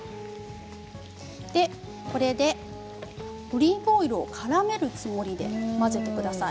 オリーブオイルをからめるつもりで混ぜてください。